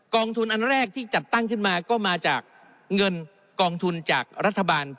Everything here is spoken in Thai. องทุนอันแรกที่จัดตั้งขึ้นมาก็มาจากเงินกองทุนจากรัฐบาล